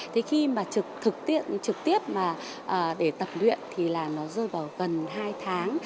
thế khi mà thực tiện trực tiếp để tập luyện thì là nó rơi vào gần hai tháng